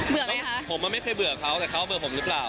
ผมมันไม่เคยเบื่อเขาแต่เขาเบื่อผมหรือเปล่า